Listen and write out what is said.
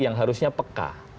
yang harusnya peka